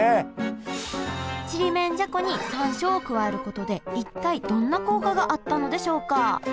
ちりめんじゃこに山椒を加えることで一体どんな効果があったのでしょうか？